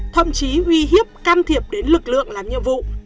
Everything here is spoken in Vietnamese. thậm chí uy hiếp can thiệp đến lực lượng làm nhiệm vụ